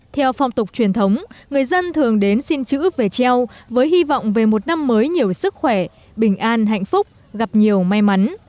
theo phong tục truyền thống người dân thường đến xin chữ về treo với hy vọng về một năm mới nhiều sức khỏe bình an hạnh phúc gặp nhiều may mắn